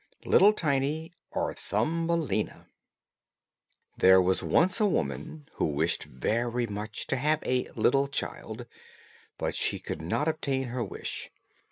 LITTLE TINY OR THUMBELINA There was once a woman who wished very much to have a little child, but she could not obtain her wish.